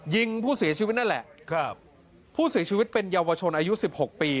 ยิงผู้เสียชีวิตนั่นแหละครับผู้เสียชีวิตเป็นเยาวชนอายุสิบหกปี